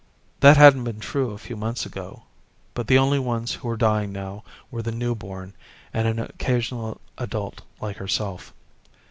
That hadn't been true a few months ago but the only ones who were dying now were the newborn and an occasional adult like herself.